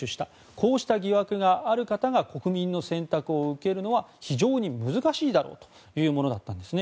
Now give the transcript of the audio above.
こうした疑惑がある方が国民の選択を受けるのは非常に難しいだろうというものだったんですね。